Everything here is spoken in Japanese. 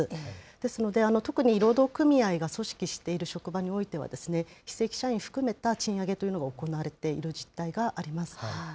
ですので、特に労働組合が組織している職場においては、非正規社員含めた賃上げというのが行われている実態があります。